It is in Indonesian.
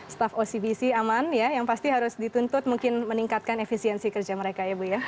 staff ocbc aman ya yang pasti harus dituntut mungkin meningkatkan efisiensi kerja mereka ya bu ya